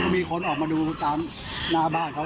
มีคนออกมาดูตามหน้าบ้านเขา